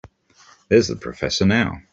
There's the professor now.